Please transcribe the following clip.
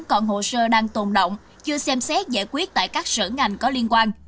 còn hồ sơ đang tồn động chưa xem xét giải quyết tại các sở ngành có liên quan